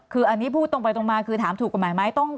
คืออันนี้พูดตรงไปตรงมาคือถามถูกกฎหมายไหม